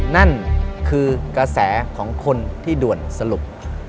นั่นคือกระแสของคนที่ด่วนสรุป